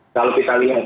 kalau kita lihat